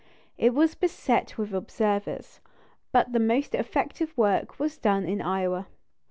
It was beset with observers; but the most effective work was done in Iowa.